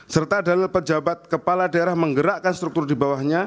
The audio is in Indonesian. serta adalah pejabat kepala daerah menggerakkan struktur di bawahnya